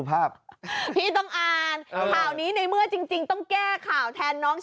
อย่างไรพี่เมิ้วต์